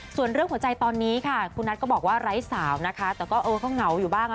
ส่วนเรื่องหัวใจคุณนัดก็บอกว่าไร้สาวแต่งาวอยู่บ้าง